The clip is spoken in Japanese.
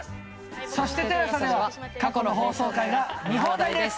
そしてＴＥＬＡＳＡでは過去の放送回が見放題です。